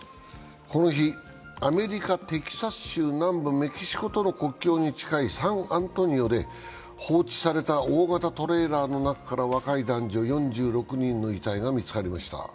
この日、アメリカ・テキサス州南部メキシコとの国境に近いサン・アントニオで放置された大型トレーラーの中から若い男女４６人の遺体が見つかりました。